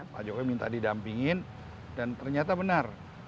pak jokowi minta didampingin dan ternyata benar